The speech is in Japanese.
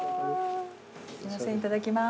すいませんいただきます。